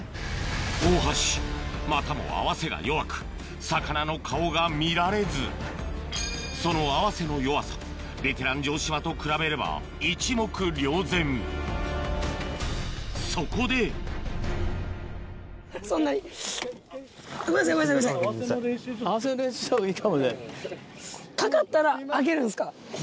大橋またも合わせが弱く魚の顔が見られずその合わせの弱さベテラン城島と比べれば一目瞭然そこでかかったら上げるんですか？